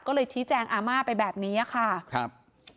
ก็เลยชี้แจงอาม่าไปแบบนี้ค่ะครับ